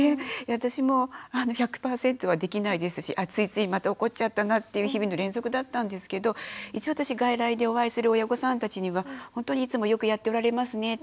私も１００％はできないですしついついまた怒っちゃったなっていう日々の連続だったんですけど一応私外来でお会いする親御さんたちにはほんとにいつもよくやっておられますね